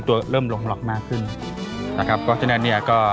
แม่บ้านประจันบัน